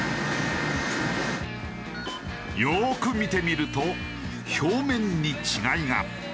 よーく見てみると表面に違いが。